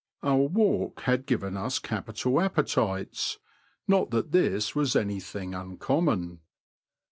Our walk had given us capital appetites — not that this was anything uncommon.